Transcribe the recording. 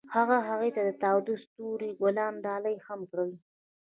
هغه هغې ته د تاوده ستوري ګلان ډالۍ هم کړل.